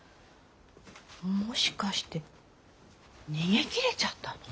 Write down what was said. もしかして逃げ切れちゃったの？